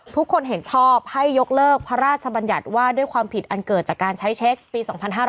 ทุกคนเห็นชอบให้ยกเลิกพระราชบัญญัติว่าด้วยความผิดอันเกิดจากการใช้เช็คปี๒๕๕๙